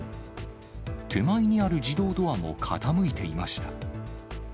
手前にある自動ドアも傾いていました。